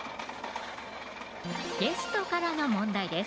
ゲストからの問題です